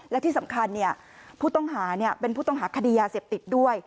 และที่สำคัญผู้ต้องหาเป็นผู้ต้องหาคดียาเสพติดด้วย